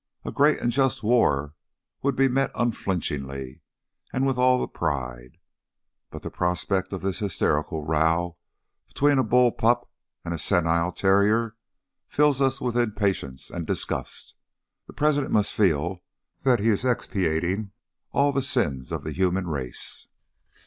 A great and just war would be met unflinchingly and with all pride; but the prospect of this hysterical row between a bull pup and a senile terrier fills us with impatience and disgust. The President must feel that he is expiating all the sins of the human race.